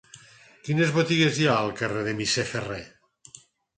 Quines botigues hi ha al carrer del Misser Ferrer?